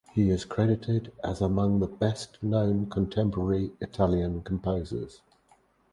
He is credited as among the best known contemporary Italian composers.